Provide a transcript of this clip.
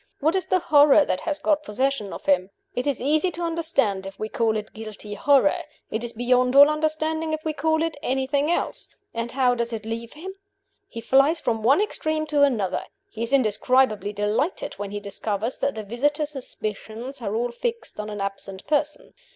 What is the horror that has got possession of him? It is easy to understand if we call it guilty horror; it is beyond all understanding if we call it anything else. And how does it leave him? He flies from one extreme, to another; he is indescribably delighted when he discovers that the visitor's suspicions are all fixed on an absent person.